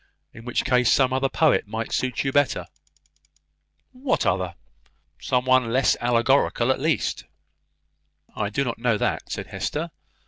In such a case, some other poet might suit you better." "What other?" "Some one less allegorical, at least." "I do not know that," said Hester.